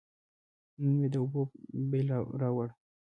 نن مې د اوبو بیل راووړ.